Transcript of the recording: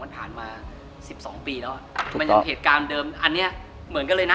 มันยังเหตุการณ์เดิมอันนี้เหมือนกันเลยนะ